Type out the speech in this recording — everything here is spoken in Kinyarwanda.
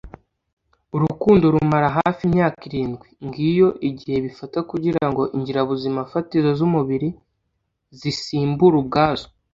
urukundo rumara hafi imyaka irindwi ngiyo igihe bifata kugira ngo ingirabuzimafatizo z'umubiri zisimbure ubwazo